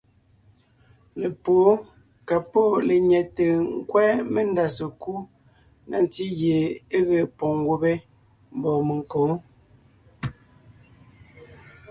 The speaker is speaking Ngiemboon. Lepwóon ka pɔ́ lenyɛte nkwɛ́ mendá sekúd na ntí gie é ge poŋ gubé mbɔ̌ menkǒ.